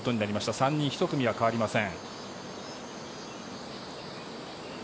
３人１組は変わりません。